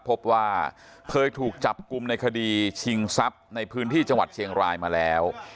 พบว่าเคยถูกจับกลุ่มในคดีชิงทรัพย์ในพื้นที่จังหวัดเชียงรายมาแล้ว